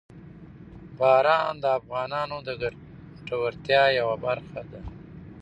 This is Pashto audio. باران د افغانانو د ګټورتیا یوه برخه ده.